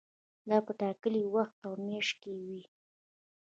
دا په ټاکلي وخت او میاشت کې وي.